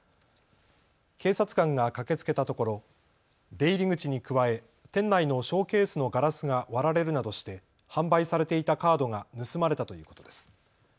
警察官が駆けつけたところ出入り口に加え店内のショーケースのガラスが割られるなどして販売されていたカードが盗まれたということです。